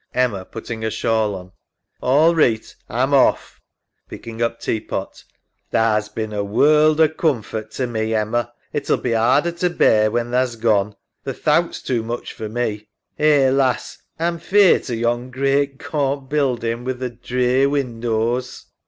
EMMA (putting her shawl on). All reeght. A'm off. [Picking up tea pot. SARAH. Tha's bin a world o' coomfort to me, Emma. It'll be 'arder to bear when tha's gone. Th' thowt's too much for me. Eh, lass, A'm feart o' yon great gaunt building wi' th' drear windows.